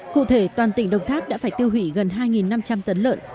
cụ thể toàn tỉnh đồng tháp đã phải tiêu hủy gần hai năm trăm linh tấn lợn